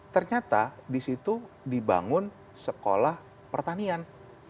ternyata disitu dibangun sekolah pertanian